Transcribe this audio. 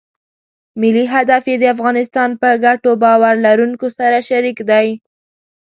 ملي هدف یې د افغانستان په ګټو باور لرونکو سره شریک دی.